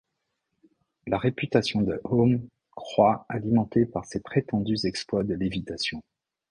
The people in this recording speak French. La réputation de Home croît, alimentée par ses prétendus exploits de lévitation.